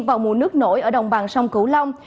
vào mùa nước nổi ở đồng bằng sông cửu long